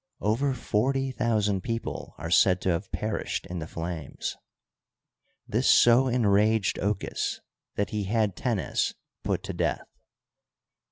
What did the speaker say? Over forty thousand people are said to have perished in the flames. This so enraged Ochus that he had Tennes put to death.